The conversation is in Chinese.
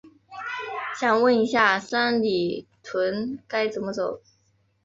想问一下，三里屯该怎么走？